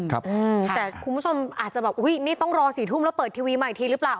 แต่คุณผู้ชมอาจจะแบบอุ้ยนี่ต้องรอ๔ทุ่มแล้วเปิดทีวีใหม่ทีหรือเปล่า